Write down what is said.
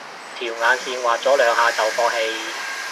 條眼線畫咗兩下就放棄